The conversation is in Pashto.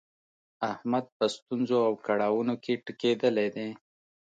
احمد په ستونزو او کړاونو کې ټکېدلی دی.